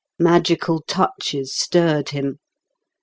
Magical touches stirred him.